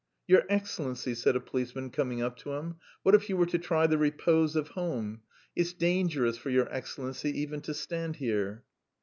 "Your Excellency," said a policeman, coming up to him, "what if you were to try the repose of home?... It's dangerous for your Excellency even to stand here."